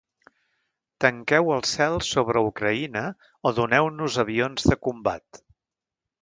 Tanqueu el cel sobre Ucraïna o doneu-nos avions de combat.